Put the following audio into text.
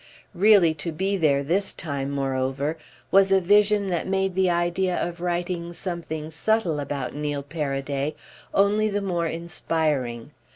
Really to be there this time moreover was a vision that made the idea of writing something subtle about Neil Paraday only the more inspiring.